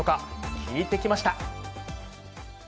聞いてきました。